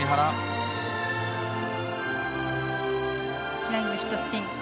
フライングシットスピン。